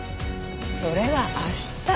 それは明日。